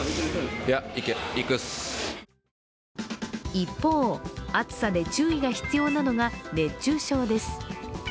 一方、暑さで注意が必要なのが熱中症です。